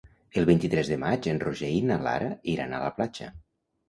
El vint-i-tres de maig en Roger i na Lara iran a la platja.